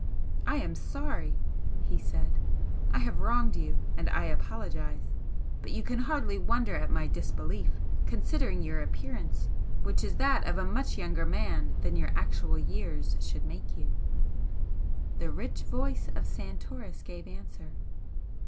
"I am sorry!" he said "I have wronged you and I apologise. But you can hardly wonder at my disbelief, considering your appearance, which is that of a much younger man than your actual years should make you." The rich voice of Santoris gave answer.